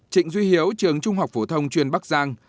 trịnh duy hiếu trường trung học phổ thông chuyên bắc giang